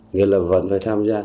nghĩa là vẫn phải tham gia